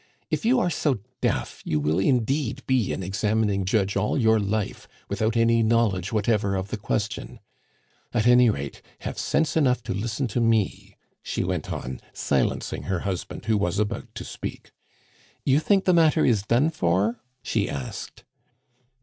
If you are so deaf, you will indeed be an examining judge all your life without any knowledge whatever of the question. At any rate, have sense enough to listen to me," she went on, silencing her husband, who was about to speak. "You think the matter is done for?" she asked.